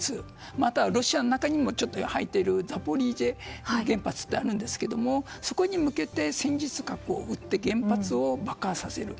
またはロシアの中にも入っているザポリージャ原発がありますがそこに向けて、戦術核を撃って原発を爆破させる。